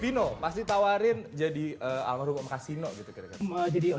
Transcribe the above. vino pas ditawarin jadi om casino gitu